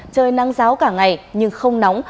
trời nắng giáo cả ngày nhưng không nóng